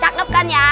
cakep kan ya